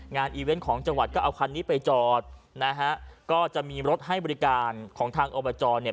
อีเวนต์ของจังหวัดก็เอาคันนี้ไปจอดนะฮะก็จะมีรถให้บริการของทางอบจเนี่ย